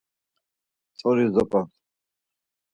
Tzori zop̌on.